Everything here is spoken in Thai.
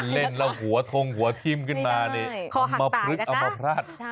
เล่นแล้วหัวทงหัวทิ้มขึ้นมานี่เอามาพลึกเอามาพลาด